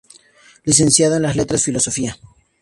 Licenciado en Letras y Filosofía.